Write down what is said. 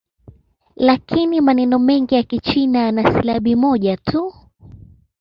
Lakini maneno mengi ya Kichina yana silabi moja tu.